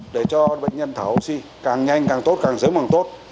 để cho bệnh nhân thở oxy càng nhanh càng tốt càng sớm càng tốt